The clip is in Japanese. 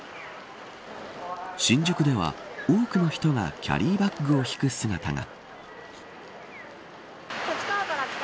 新宿では多くの人がキャリーバッグを引く姿が。